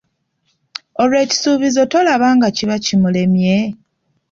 Olwo ekisuubizo tolaba nga kiba kimulemye ?